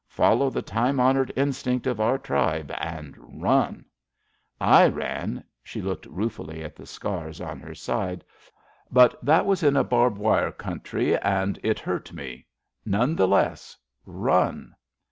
Follow the time honoured instinct of our tribe, and run. I ran "— she looked ruefully at the scars on her side —but that was in a barb wire country, and it hurt A LITTLE MOEE BEEF 51 me. None the less, run.''